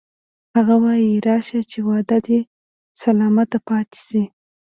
هغه وایی راشه چې وعده دې سلامته پاتې شي